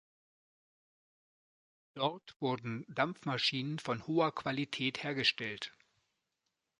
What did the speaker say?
Dort wurden Dampfmaschinen von hoher Qualität hergestellt.